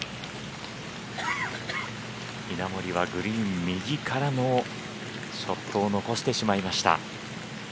稲森はグリーン右からのショットを残してしまいました。